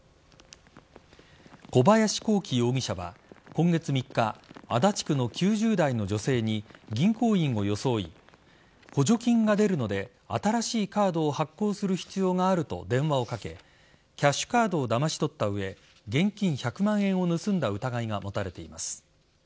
小林貢樹容疑者は今月３日足立区の９０代の女性に銀行員を装い補助金が出るので新しいカードを発行する必要があると電話をかけキャッシュカードをだまし取った上現金１００万円を盗んだ疑いが持たれています。